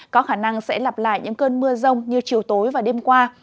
có khả năng sẽ lặp lại những cơn mưa rông như chiều tối và đêm qua